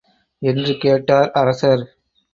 என்று கேட்டார் அரசர்.